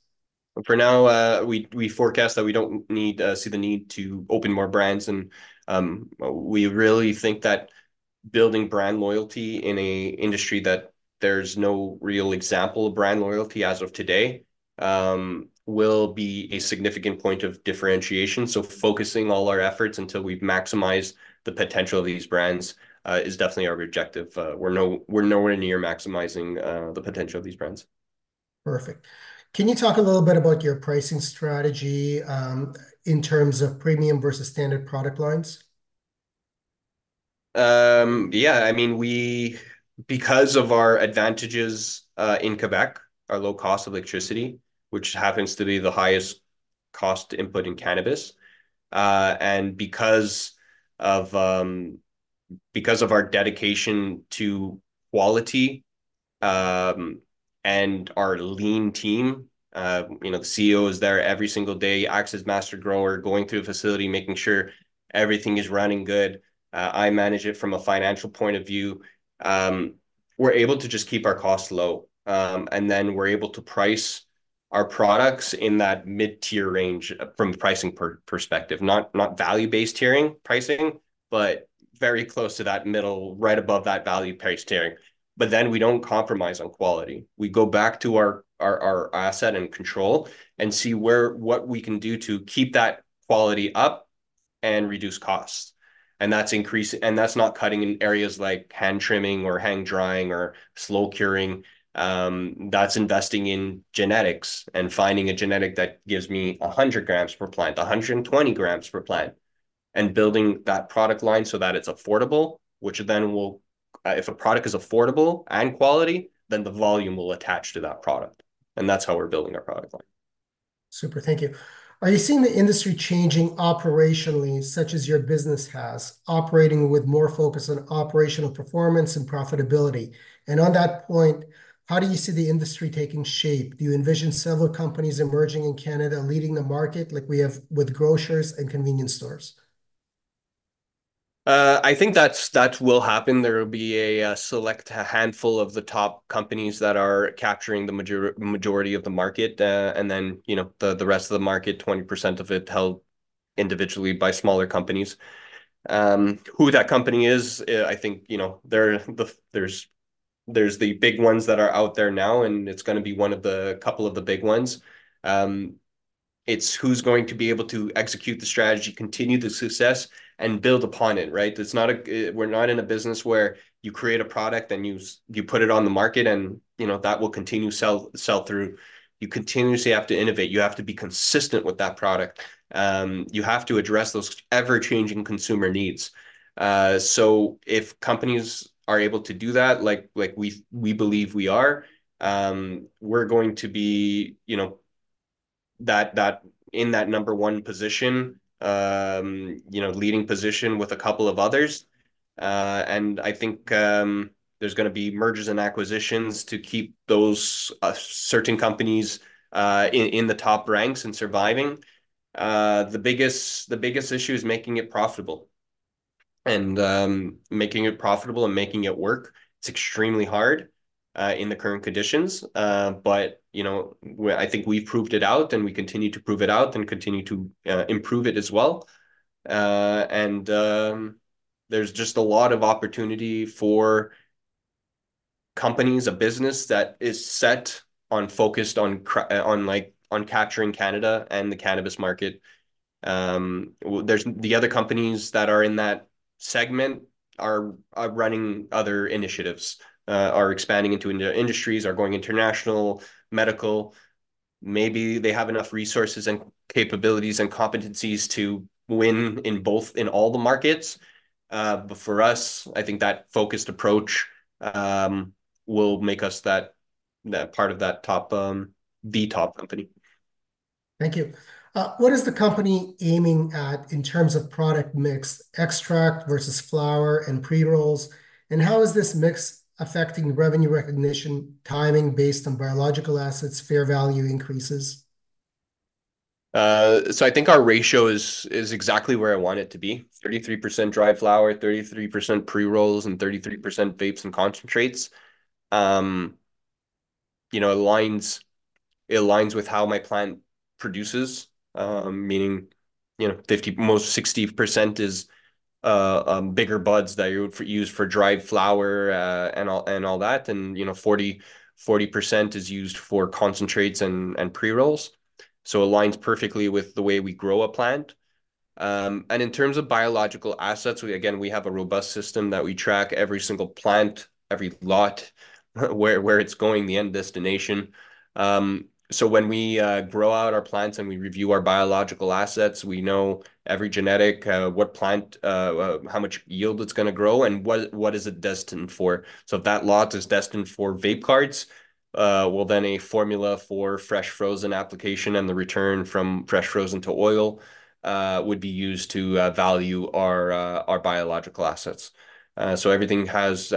For now, we forecast that we don't see the need to open more brands, and we really think that building brand loyalty in an industry that there's no real example of brand loyalty as of today will be a significant point of differentiation, so focusing all our efforts until we've maximized the potential of these brands is definitely our objective. We're nowhere near maximizing the potential of these brands. Perfect. Can you talk a little bit about your pricing strategy, in terms of premium versus standard product lines? Yeah, I mean, we, because of our advantages in Quebec, our low cost of electricity, which happens to be the highest cost input in cannabis, and because of our dedication to quality, and our lean team, you know, the CEO is there every single day, acts as master grower, going through the facility, making sure everything is running good. I manage it from a financial point of view. We're able to just keep our costs low, and then we're able to price our products in that mid-tier range, from pricing perspective, not value-based tiering pricing, but very close to that middle, right above that value price tiering. But then we don't compromise on quality. We go back to our asset and control and see where, what we can do to keep that quality up and reduce costs, and that's increasing, and that's not cutting in areas like hand trimming or hang drying or slow curing. That's investing in genetics and finding a genetic that gives me 100 grams per plant, 120 grams per plant, and building that product line so that it's affordable, which then will, if a product is affordable and quality, then the volume will attach to that product, and that's how we're building our product line. Super thank you. Are you seeing the industry changing operationally, such as your business has, operating with more focus on operational performance and profitability? And on that point, how do you see the industry taking shape? Do you envision several companies emerging in Canada, leading the market, like we have with grocers and convenience stores? I think that will happen. There will be a select handful of the top companies that are capturing the majority of the market, and then, you know, the rest of the market, 20% of it, held individually by smaller companies. Who that company is, I think, you know, there are the big ones that are out there now, and it's gonna be one of the couple of the big ones. It's who's going to be able to execute the strategy, continue the success, and build upon it, right? It's not a... We're not in a business where you create a product, and you put it on the market, and, you know, that will continue sell through. You continuously have to innovate. You have to be consistent with that product. You have to address those ever-changing consumer needs. So if companies are able to do that, like we believe we are, we're going to be, you know, in that number one position, you know, leading position with a couple of others. And I think there's gonna be mergers and acquisitions to keep those certain companies in the top ranks and surviving. The biggest issue is making it profitable. And making it profitable and making it work, it's extremely hard in the current conditions. But you know, well, I think we've proved it out, and we continue to prove it out and continue to improve it as well. There's just a lot of opportunity for companies, a business that is set on, focused on, like, on capturing Canada and the cannabis market. The other companies that are in that segment are running other initiatives, are expanding into industries, are going international, medical. Maybe they have enough resources and capabilities and competencies to win in both, in all the markets, but for us, I think that focused approach will make us that part of the top company. Thank you. What is the company aiming at in terms of product mix, extract versus flower and pre-rolls, and how is this mix affecting revenue recognition, timing based on biological assets, fair value increases? So I think our ratio is exactly where I want it to be, 33% dry flower, 33% pre-rolls, and 33% vapes and concentrates. You know, it aligns with how my plant produces, meaning, you know, 50, most 60% is bigger buds that you would use for dried flower, and all that. You know, 40% is used for concentrates and pre-rolls, so it aligns perfectly with the way we grow a plant. And in terms of biological assets, we again have a robust system that we track every single plant, every lot, where it's going, the end destination. So when we grow out our plants, and we review our biological assets, we know every genetic what plant how much yield it's gonna grow, and what is it destined for. So if that lot is destined for vape carts, well, then a formula for fresh frozen application and the return from fresh frozen to oil would be used to value our biological assets. So everything has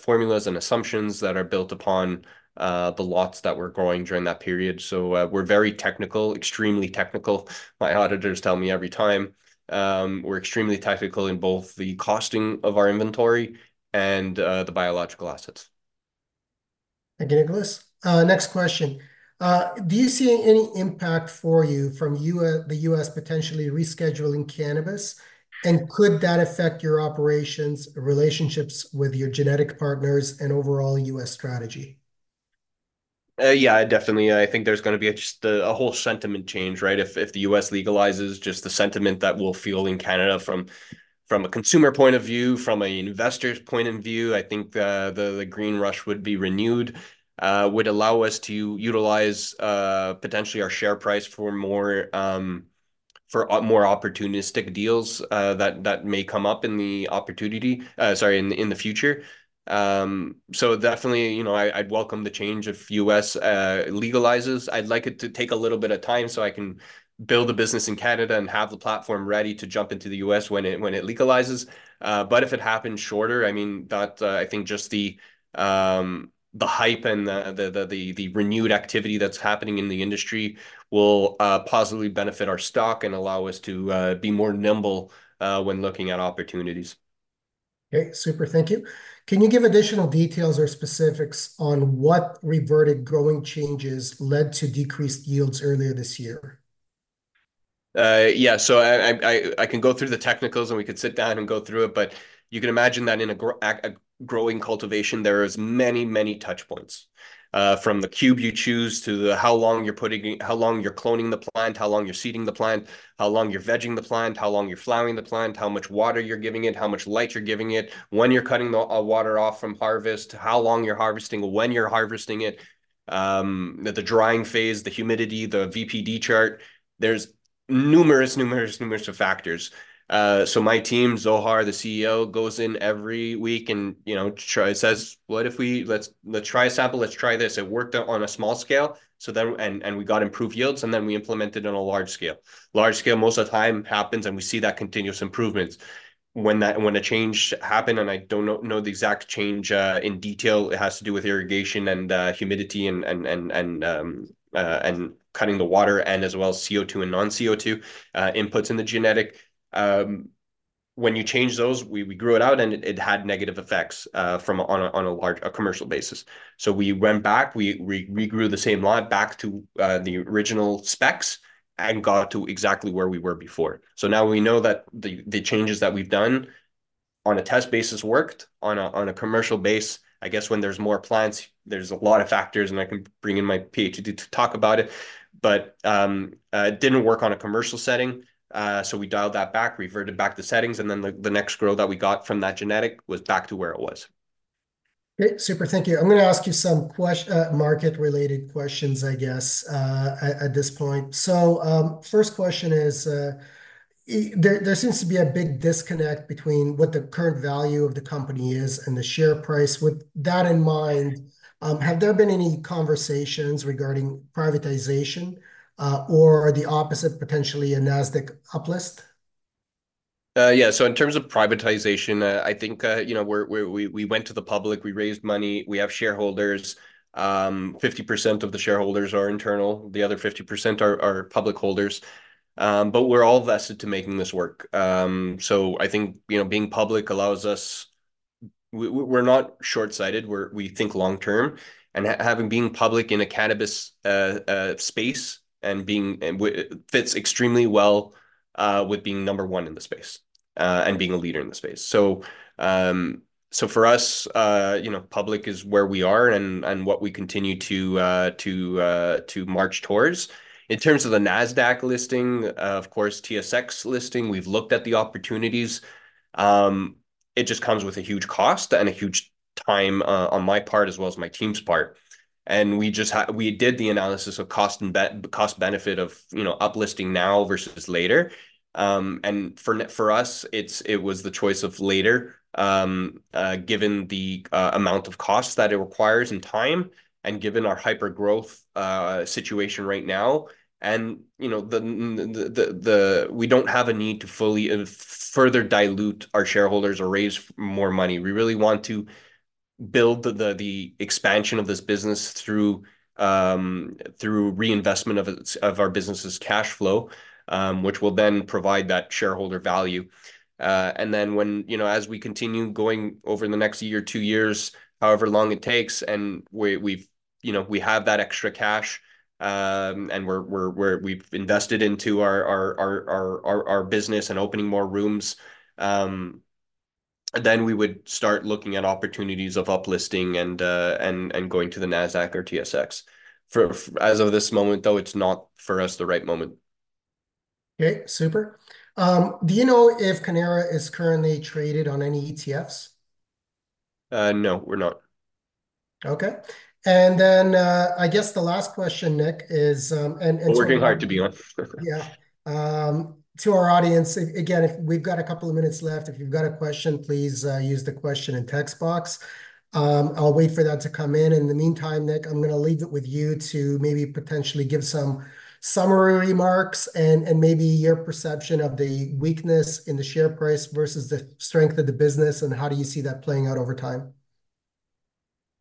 formulas and assumptions that are built upon the lots that we're growing during that period. So we're very technical, extremely technical. My auditors tell me every time, we're extremely technical in both the costing of our inventory and the biological assets. Thank you, Nicholas. Next question. Do you see any impact for you from the U.S. potentially rescheduling cannabis, and could that affect your operations, relationships with your genetic partners, and overall U.S. strategy? Yeah, definitely. I think there's gonna be just a whole sentiment change, right? If the U.S. legalizes, just the sentiment that we'll feel in Canada from a consumer point of view, from an investor's point of view, I think the green rush would be renewed, would allow us to utilize potentially our share price for more opportunistic deals that may come up in the future. So definitely, you know, I'd welcome the change if U.S. legalizes. I'd like it to take a little bit of time, so I can build a business in Canada and have the platform ready to jump into the U.S. when it legalizes. But if it happens shorter, I mean, that I think just the hype and the renewed activity that's happening in the industry will positively benefit our stock and allow us to be more nimble when looking at opportunities. Okay, super thank you. Can you give additional details or specifics on what adverse growing changes led to decreased yields earlier this year? Yeah, so I can go through the technicals, and we could sit down and go through it, but you can imagine that in a growing cultivation, there is many touch points, from the cube you choose to the how long you're cloning the plant, how long you're seeding the plant, how long you're vegging the plant, how long you're flowering the plant, how much water you're giving it, how much light you're giving it, when you're cutting the water off from harvest, how long you're harvesting, when you're harvesting it. The drying phase, the humidity, the VPD chart, there's numerous factors. So my team, Zohar, the CEO, goes in every week, and, you know, says, "What if we... Let's try a sample, let's try this." It worked out on a small scale, so then we got improved yields, and then we implemented on a large scale. Large scale most of the time happens, and we see that continuous improvements. When a change happened, and I don't know the exact change in detail, it has to do with irrigation and humidity and cutting the water, as well as CO2 and non-CO2 inputs in the genetic. When you change those, we grew it out, and it had negative effects from a large commercial basis. So we went back, we regrew the same line back to the original specs and got to exactly where we were before. So now we know that the changes that we've done on a test basis worked. On a commercial base, I guess, when there's more plants, there's a lot of factors, and I can bring in my PhD to talk about it, but it didn't work on a commercial setting, so we dialed that back, reverted back the settings, and then the next grow that we got from that genetic was back to where it was. Great. Super, thank you. I'm gonna ask you some market-related questions, I guess, at this point. So, first question is, there seems to be a big disconnect between what the current value of the company is and the share price. With that in mind, have there been any conversations regarding privatization, or the opposite, potentially a Nasdaq uplist? Yeah, so in terms of privatization, I think, you know, we went to the public, we raised money, we have shareholders. 50% of the shareholders are internal, the other 50% are public holders. But we're all vested to making this work. So I think, you know, being public allows us... We're not short-sighted, we think long term, and having been public in a cannabis space and being, it fits extremely well with being number one in the space and being a leader in the space. So for us, you know, public is where we are, and what we continue to march towards. In terms of the Nasdaq listing, of course, TSX listing, we've looked at the opportunities. It just comes with a huge cost and a huge time on my part, as well as my team's part. And we just did the analysis of cost and cost-benefit of, you know, uplisting now versus later. And for us, it's, it was the choice of later, given the amount of costs that it requires and time, and given our hypergrowth situation right now, and, you know, the... We don't have a need to fully further dilute our shareholders or raise more money. We really want to build the expansion of this business through reinvestment of our business's cash flow, which will then provide that shareholder value. And then when, you know, as we continue going over the next year, two years, however long it takes, and we have that extra cash, and we've invested into our business and opening more rooms, then we would start looking at opportunities of uplisting and going to the Nasdaq or TSX. As of this moment, though, it's not for us the right moment. Great. Super. Do you know if Cannara is currently traded on any ETFs? No, we're not. Okay. And then, I guess the last question, Nick, is. We're working hard to be on. Yeah. To our audience, again, if we've got a couple of minutes left, if you've got a question, please use the question and text box. I'll wait for that to come in. In the meantime, Nick, I'm gonna leave it with you to maybe potentially give some summary remarks and maybe your perception of the weakness in the share price versus the strength of the business, and how do you see that playing out over time?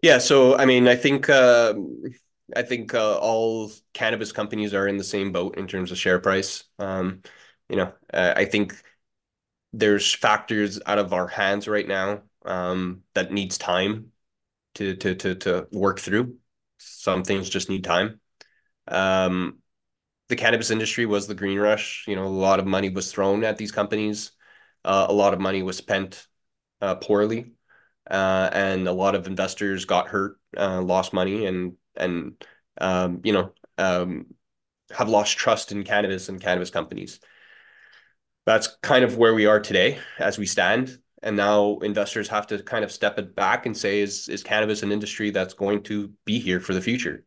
Yeah, so I mean, I think, I think, all cannabis companies are in the same boat in terms of share price. You know, I think there's factors out of our hands right now, that needs time to work through. Some things just need time. The cannabis industry was the green rush, you know, a lot of money was thrown at these companies. A lot of money was spent, poorly, and a lot of investors got hurt, lost money, and, you know, have lost trust in cannabis and cannabis companies. That's kind of where we are today as we stand, and now investors have to kind of step it back and say: "Is cannabis an industry that's going to be here for the future?"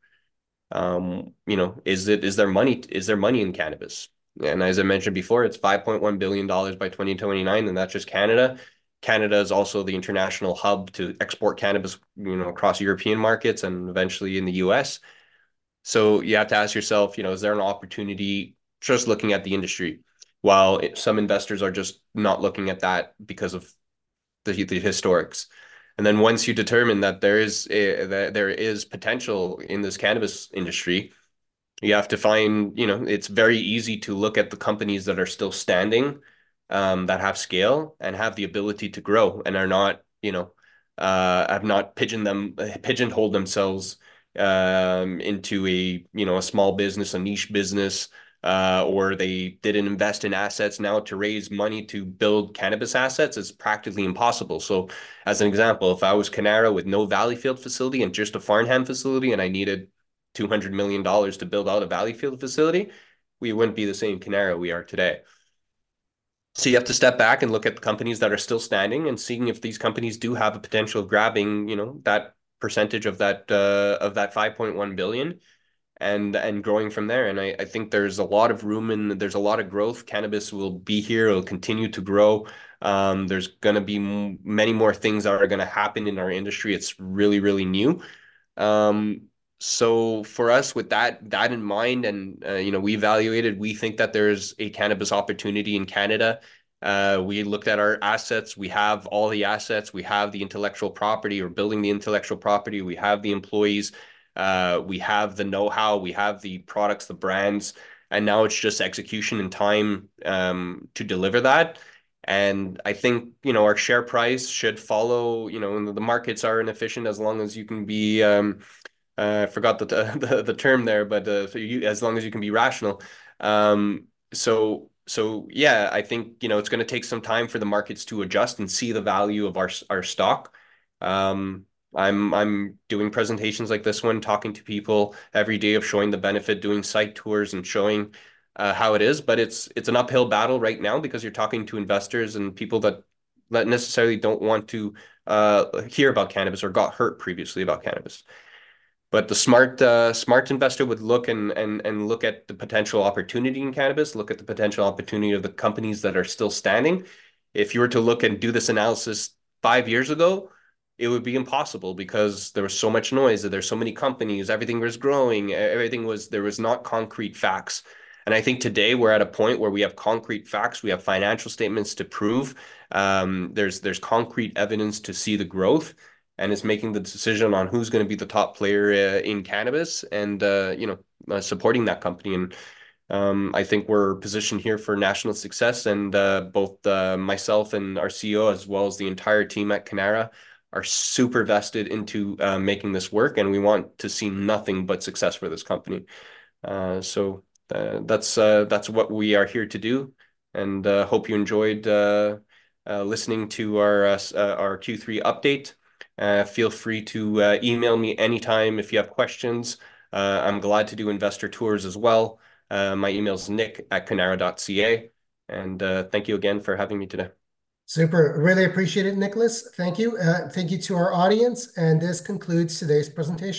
You know, "Is it- is there money, is there money in cannabis?" And as I mentioned before, it's 5.1 billion dollars by 2029, and that's just Canada. Canada is also the international hub to export cannabis, you know, across European markets and eventually in the U.S. So you have to ask yourself, you know, is there an opportunity just looking at the industry, while some investors are just not looking at that because of the historics. And then, once you determine that there is potential in this cannabis industry, you have to find... You know, it's very easy to look at the companies that are still standing, that have scale and have the ability to grow and are not, you know, have not pigeonholed themselves, into a, you know, a small business, a niche business, or they didn't invest in assets. Now, to raise money to build cannabis assets is practically impossible. So as an example, if I was Cannara with no Valleyfield facility and just a Farnham facility, and I needed 200 million dollars to build out a Valleyfield facility, we wouldn't be the same Cannara we are today.... So you have to step back and look at the companies that are still standing, and seeing if these companies do have the potential of grabbing, you know, that percentage of that, of that 5.1 billion, and, and growing from there. And I think there's a lot of room and there's a lot of growth. Cannabis will be here. It'll continue to grow. There's gonna be many more things that are gonna happen in our industry. It's really, really new. So for us, with that in mind, and, you know, we evaluated, we think that there's a cannabis opportunity in Canada. We looked at our assets. We have all the assets. We have the intellectual property. We're building the intellectual property. We have the employees. We have the know-how. We have the products, the brands, and now it's just execution and time to deliver that. And I think, you know, our share price should follow... You know, and the markets are inefficient, as long as you can be rational. So yeah, I think, you know, it's gonna take some time for the markets to adjust and see the value of our stock. I'm doing presentations like this one, talking to people every day showing the benefit, doing site tours, and showing how it is. But it's an uphill battle right now because you're talking to investors and people that necessarily don't want to hear about cannabis or got hurt previously about cannabis. But the smart investor would look and look at the potential opportunity in cannabis, look at the potential opportunity of the companies that are still standing. If you were to look and do this analysis five years ago, it would be impossible because there was so much noise, and there were so many companies. Everything was growing. There was not concrete facts, and I think today we're at a point where we have concrete facts. We have financial statements to prove. There's concrete evidence to see the growth, and it's making the decision on who's gonna be the top player in cannabis and, you know, supporting that company, and I think we're positioned here for national success, and both myself and our CEO, as well as the entire team at Cannara, are super vested into making this work, and we want to see nothing but success for this company. So, that's what we are here to do, and hope you enjoyed listening to our Q3 update. Feel free to email me anytime if you have questions. I'm glad to do investor tours as well. My email's nick@cannara.ca, and thank you again for having me today. Super. Really appreciate it, Nicholas. Thank you. Thank you to our audience, and this concludes today's presentation.